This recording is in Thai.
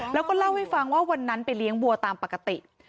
แล้วก็เล่าให้ฟังว่าวันนั้นไปเลี้ยงบัวตามปกติ